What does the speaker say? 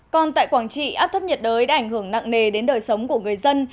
còn tại quảng trị áp thấp nhiệt đới đã ảnh hưởng nặng nề đến đời sống của người dân